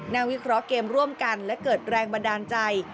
วิเคราะห์เกมร่วมกันและเกิดแรงบันดาลใจ